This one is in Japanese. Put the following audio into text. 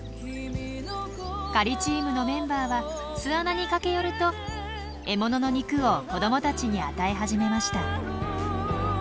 狩りチームのメンバーは巣穴に駆け寄ると獲物の肉を子どもたちに与え始めました。